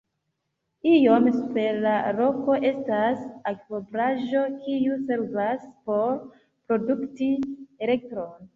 Iom supre de la loko estas akvobaraĵo, kiu servas por produkti elektron.